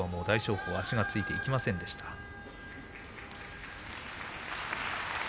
大翔鵬、きょうは足がついていきませんでした。